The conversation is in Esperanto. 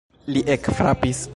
Li ekfrapis.